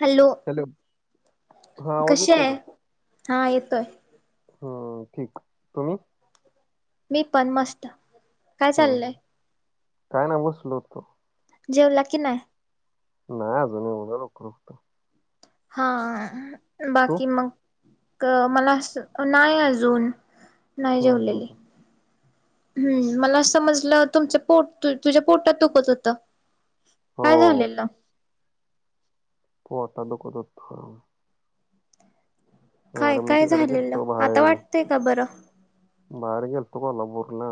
Hello हा आवाज कशी येतोय आहे हा येतोय. हा ठीक अ मी पण मस्त काय चाललंय. हम्म काय ना बसलो होतो जेवला की नाय नाय अजुन एवढ्या लवकर कुठ हा तू बाकी मंग क मला अस नाय अजून नाय हम्म हम्म जेवलेली हम्म. हम्म मला समजलं तुमच पोट तुझ्या पोटात दुखत होतं. हो काय झालेल? पोटात दुखत होत. काय अर मी काय तिकड झालेलं गेलतो आता बाहेर वाटतय का बरं बाहेर गेलतो कोल्हापूरना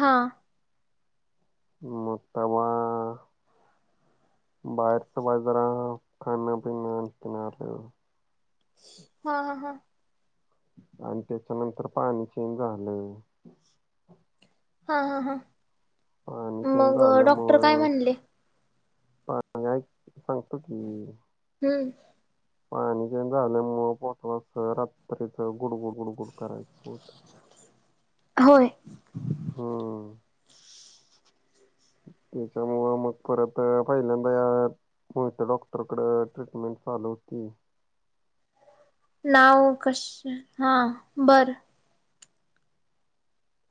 हा मग तवा बाहेर च पाय जरा खान पीन [unintelligible] हा ह हा आणि त्याच्यानंतर पाणी चेंज झालं हा, हा, हा पाणी चेंज मग डॉक्टर काय झाल्यामुळ म्हणले पा [unintelligible] हम्म पाणी चेंज झाल्यामुळं पोट अस रात्रीच गुडगुड, गुडगुड करायचं पोट होय हम [unintelligible] त्याच्यामुळ मग परत पहिल्यांदा [unintelligible] होय त्या डॉक्टरकड ट्रीटमेंट चालू होती नाव कशा हा बरं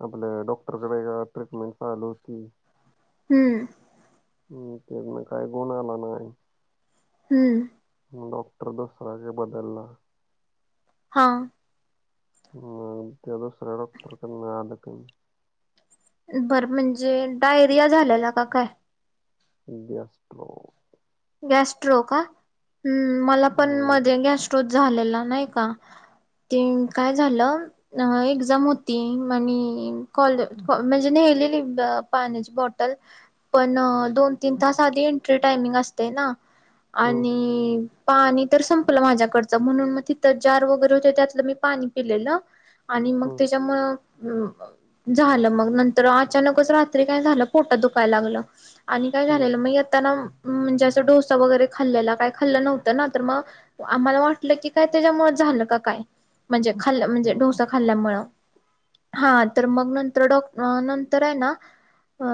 आपल्या डॉक्टरकडे ह्या ट्रीटमेंट चालू होती हम्म ह त्यान काय गुण आला नाय हम्म म डॉक्टर दुसरा जे बदलला हा हा त्या दुसऱ्या डॉक्टरकडन आलं कमी बरं म्हणजे डायरिया झालेला का काय? गॅस्ट्रो गॅस्ट्रो का हम् मला पण मध्ये हम्म गॅस्ट्रो झालेला नाही का ते काय झालं अ एक्झाम होती आणि कॉले म्हणजे नेलेली पाण्याची एक बॉटल पण दोन तीन तास आधी एंट्री टायमिंग असतय ना हम्म आणि पाणी तर संपलं माझ्याकडचं म्हणून मग तिथं जार वगैरे होते त्यातलं मी पाणी पिलेलं आणि मग हम्म त्याच्यामुळं झालं मग नं तर अचानकच रात्री काय झालं पोट दुखाय लागलं आणि काय झालेलं मग येताना म्हणजे अस तिथं डोसा वगैरे खाल्लेला काई खाल्लं नव्हतं ना तर मग मला वाटलं की काय त्याच्यामुळे झालं का काय म्हणजे खाल् म्हणजे हम्म डोसा खाल्ल्यामुळ हा तर मग नंतर डॉक्ट नंतरे ना अ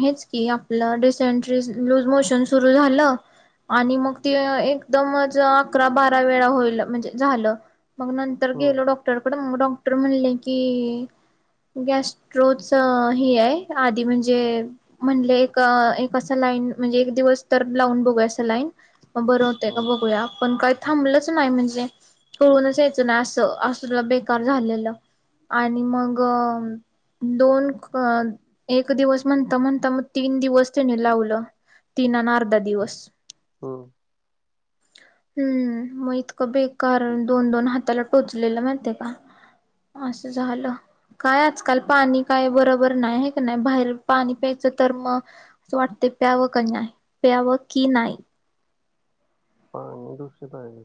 हेच की आपलं डीसेंट्री लूज मोशन सुरू झालं आणि मग ते एकदमच अकरा, बारा वेळा होईल म्हणजे झालं मग नंतर हम्म गेलो डॉक्टरकड मग डॉक्टर म्हणले की गॅस्ट्रोच हे आहे आधी म्हणजे म्हणले एक असं लाईन म्हणजे एक दिवस तर लावून बघूया असं लाईन म बरं होतय का हम्म बघूया आपण काय थांबलंच नाही म्हणजे कळूनच यायचं ना असं असलं बेकार झालेलं आणि मग दोन एक अ दिवस म्हणता, म्हणता मग तीन दिवस त्याने लावलं तीन अन अर्धा दिवस हम [unintelligible] हम्म मग इतकं बेकार दोन, दोन हाताला टोचलेलं माहिते का असं झालं काय आजकाल पाणी काय बरोबर नाही आहे का नाय बाहेर पाणी प्यायचं तर मग असं वाटत प्याव कनाय प्यावं की नाही. हा दूषित आहे हे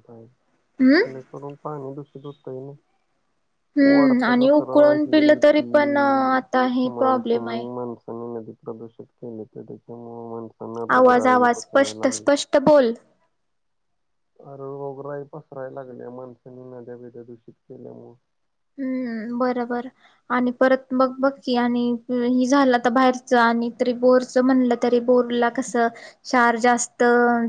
हम्म पाणी ने करून पाहन दूषित होतय ना. [unintelligible] हम्म वाढता आणि कचरा उकळून पिलं ही तरी ती पण आता हे प्रॉब्लेम मानसनी, आहे. मानसानी नदीत. [unintelligible] प्रदूषित केले तर त्याच्यामुळ माणसांना रोगराइ पसरायला लागलीं. त बोल. आर रोगराई पसरायला लागल्या, माणसांनी नद्या बिदया दूषित केल्यामुळ. हूं बर-बरं. आणि परत मग बघ की आणि हि झालं आता बाहेरच आणि तरी बोर च म्हणलं तरी बोरला कसं क्षार जास्त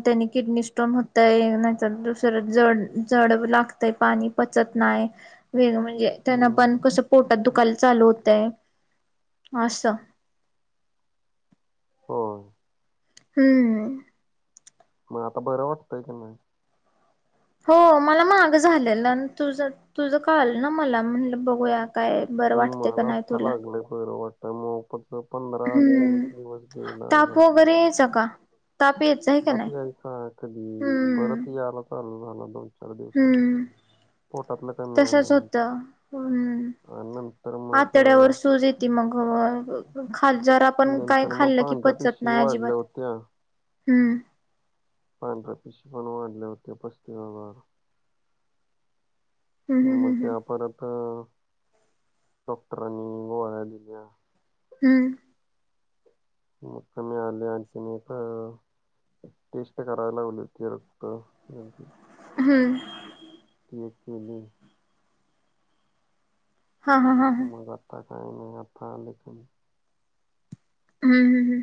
त्यानी किडनी स्टोन होताय नाहीतर दुसर जड-जड लागत तय पाणी पचत नाही वेग म्ह म्हणजे त्यांना पण हम्म कस पोटात दुखायला चालू होतय असं. हो! हूं! म आता बरं वाटतंय की नाही. हो मला माग झालेला न तुझ-तुझं कळालं न मला म्हणल बघूया काय बरं वाटत का नाही तुला. मला ही बर वाटात म फक्त पण ना हूं ताप वगैरे यायचा का ताप येत ताप यायचा कधी परत यायला चालू झाला दोन, चार दिवसांनी. हम्म पोटातलं कमी तसच आल्यानं होत हूं आणि नंतर मग आतड्यावर अ, सूज येत ती मग ह खात जरा पण काय नंतर मग खाल्लं की पांढऱ्या पचत पिशी नाही वाढल्या अजिबात. होत्या हूं! पांढऱ्या पेशी पण वाढल्या होत्यां पस्तीस हजार. हम्म म हम्म त्या परत डॉक्टरांनी गोळ्या दिल्या. हूं! मुक्कामी आल्या आणि तुम्ही इथं. टेस्ट करायला लावलीं ते रक्त यांची. [inaudible] ती एक केली. हा हा हा हा मग आता काय नाही, आता आले तुम्ही हूं हूं हूं!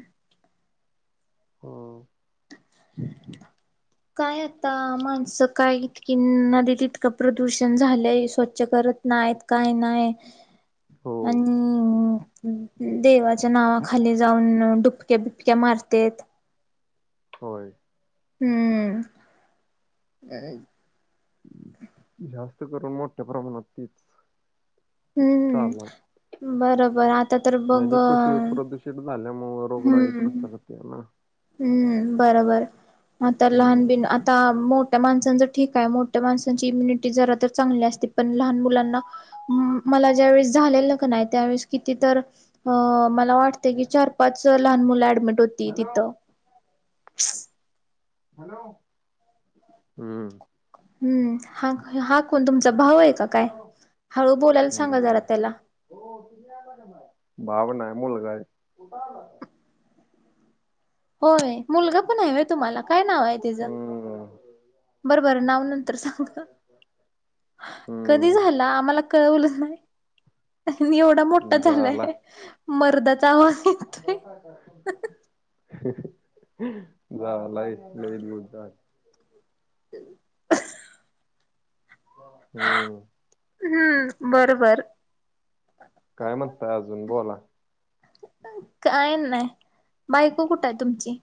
[inaudible] [inaudible] काय आता माणसं काय इतकी नदीत ईतकं प्रदूषण झालंय स्वच्छ करत नायेत काही नाही, हो आण देवाच्या नावा खाली जाऊन डुबक्या, बिबक्या मारतेयत. होय! हूं! जास्त करून मोठ्या प्रमाणात तीच चालाय. बरबर आता तर बघ. [unintelligible] झाल्या मूळ रोगराई पसरतीये ना. हूं बरबर आता लहान हम्म बिन आत ता मोठ्या माणसांच ठीक आहे, मोठ्या माणसांची इम्युनिटी जरा तर चांगली असते, पण लहान मुलांना मला ज्यावेेळेस झालेलं क नाही त्यावेेळेस किती तर अ मला वाटतय की चार पाच लहान मुल ऍडमिट होती तिथ. [inaudible] हॅलो हम्म हम्म हा हा कोण तुमचा भाऊ आहे का काय? हळू बोलायला सांगा जरा त्याला. भाऊ नाही मुलगा आहे. होय मुलगा पण आहे व्हय तुम्हाला काय नाव आहे त्याच. हम्म बर बर नाव नंतर सांगा. कधी हम्म झाला आम्हाला कळवल नाही. निवड मोठा झालाय मर्दाचा आवाज येतोय. [unintelligible] झालाय लई दिवस झाले. [inaudible] हम्म हम्म बरोबर. काय म्हणताय अजून बोला. काय नाही. बायको कुठ आहे तुमची?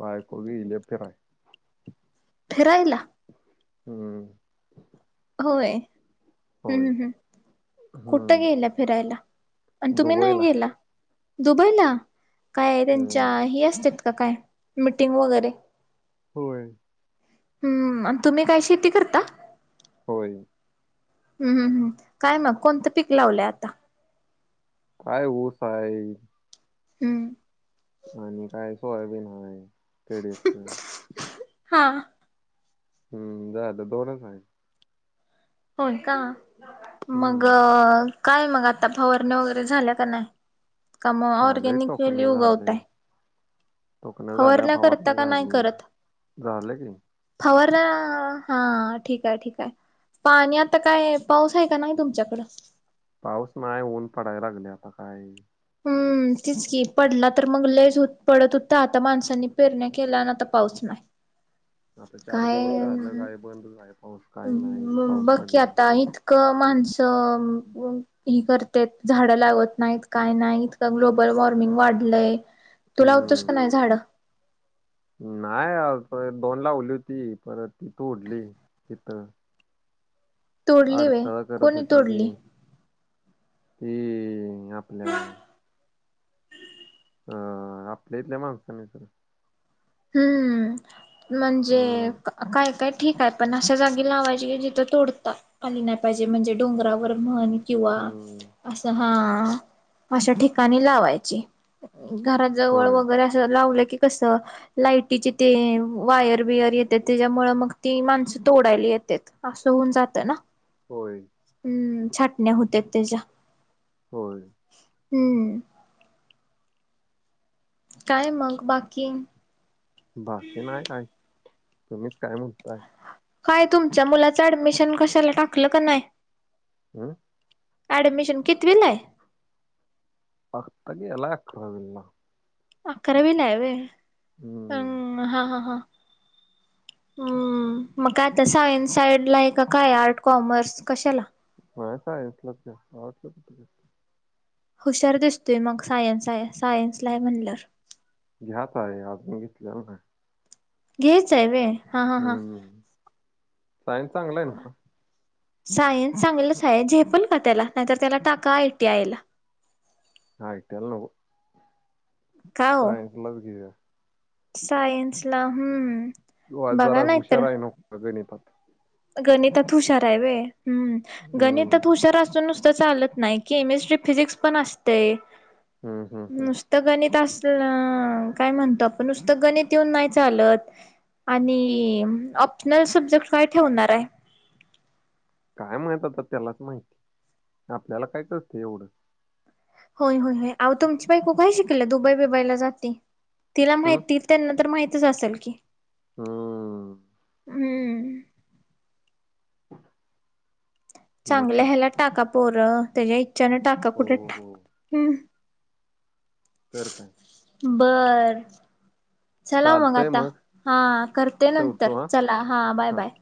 बायको गेलीय फिराय. फीरायला हम्म होय. हम्म होय हम्म हम्म कुठ हम्म गेल्या फिरायला. आणि तुम्ही नाही दुबईला गेला. दुबईला काय त्यांच्या हम्म हे असत्यात का काय मिटिंग वगैरे. होय. हम्म आणि तुम्ही काय शेती करता. होय. हम्म हम्म हम्म काय मग कोणत पीक लावलय आता. काय ऊस आहे. हम्म आणि काय सोयबीन हाय तेडीएफच. हा हम्म झाल दोनच आहे. होय का मग हम्म काय मग आता फवारण्या वगैरे झाल्या का नाही. का म झालंय ऑरगॅनिक वेली उगवताय. तोकन्या झाल्या. फवारण्या करता फवारणी का झाली. झाल की. फवारन्या हा ठीक आहे ठीक आहे. पाणी आता काय पाऊस आहे का नाही तुमच्याकड. पाऊस नाही ऊन पडायला लागले आता काय. हम्म आणि तेच की पडला तर मग लय पडत होता. आता माणसांनी पेरण्या केल्या आता पाऊस नाही. [inaudible] आता चार दिवस काय झाल आहे बंदच आहे. पाऊस काही नाही पाऊस बघ की पडलेला आता इतक माणस हे करतात झाड लावत नाहीत काय नाही. इतक ग्लोबल वॉर्मिंग वाढलय. तु लावतेस का हम्म नाही झाड? नाही अग दोन लावली होती परत तोडली तिथ. तोडली वे अडथळा करत कोणी होती तोडली ती ती आपल्या हा आपल्या इथल्या माणसांनी तर हम्म म्हणजे हम्म का काय-काय ठीक आहेत पण अशा जागी लावायची गेली तर तोडता. आली नाय पाहिजे म्हणजे डोंगरावर म्हणी किंवा हम्म असं हा अशा ठिकाणी लावायची. घरा जवळ होय वगैरे असं लावलं की कसं लाइटीचे ते वायर बिअर येते त्याच्यामुळं मग ती माणसं तोडायला येत्यात. असं होऊन जातं ना होय हम्म छाटण्या होत्यात तेज्या. होय. हम्म. काय मग बाकी? बाकी नाही काय तुम्हीच काय म्हणताय? काय तुमच्या मुलाचं ऍडमिशन कशाला टाकलं का नाय? हम्म ऍडमिशन कितवीला आहे? आता गेलाय अकरावीला. अकरावीला आहे वे हम्म पण हा हा हा. हम्म म काय आता सायन्स साइडला हाय की काय आर्ट, कॉमर्स कशाला? हो सायन्सलाच आहे आर्ट्सला कुठं काय. हुशार दिसतोय मग सायन्स सायन्स हाय म्हटल्यावर. घ्या पाळी अजून घेतल्यालं नाय. घ्यायचाय वे हम्म हम्म ‌सायन्स चांगला आहे नव्ह का? सायन्स चांगलंच आहे झेपलका त्याला नाही तर त्याला टाका आय टी आय ला. आय टी आय ला नको का ओ सायन्सलाच घेऊया. सायन्सला हम्म बघा नाही तर. अ गणितात गणितात हुशार आहे वे हम्म हम्म. गणितात हुशार असून नुसता चालत नाही केमिस्ट्री, फिजिक्स पण असतय. हम्म हम्म हम्म. त गणित असल काय म्हणतो आपण नुसतं गणित येऊन नाही चालत. आणि ऑप्शनल सब्जेक्ट काय ठेवणार आहे? काय माहिती आता त्यालाच माहिती आपल्याला काय कळतंय एवढं. होय होय होय तुमची बाईको काय शिकल्या दुबई बिबईला जाते तिला हम्म माहिती त्यांना तर माहितीच असल की. हम्म. हम्म. [inaudible] मग चांगल्या काय हेला टाका पोरं त्याच्या इच्छाने टाका हो कुठे टा हो हम्म. तर काय बरं चला हो मग आता हा करते ठेवतो नंतर हा चला हा बाय बाय.